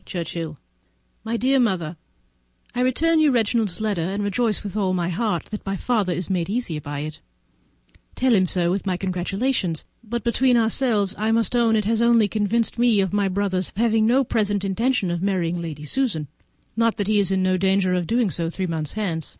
_ Churchhill My dear Mother,—I return you Reginald's letter, and rejoice with all my heart that my father is made easy by it: tell him so, with my congratulations; but, between ourselves, I must own it has only convinced me of my brother's having no present intention of marrying Lady Susan, not that he is in no danger of doing so three months hence.